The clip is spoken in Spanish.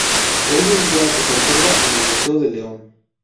Hoy en día se conserva en el museo de León.